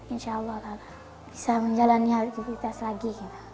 insya allah bisa menjalani aktivitas lagi